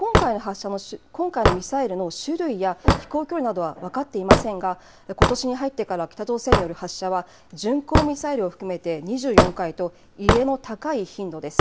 今回のミサイルの種類や飛行距離などは分かっていませんが、ことしに入ってから北朝鮮による発射は、巡航ミサイルを含めて２４回と、異例の高い頻度です。